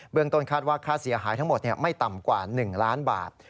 ต้นคาดว่าค่าเสียหายทั้งหมดไม่ต่ำกว่า๑ล้านบาท